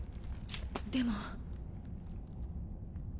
でも。